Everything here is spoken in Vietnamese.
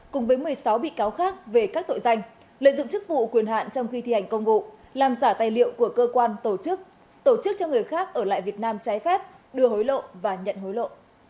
cùng với một mươi sáu bị cáo khác về các tội danh lợi dụng chức vụ quyền hạn trong khi thi hành công vụ làm giả tài liệu của cơ quan tổ chức tổ chức cho người khác ở lại việt nam trái phép đưa hối lộ và nhận hối lộ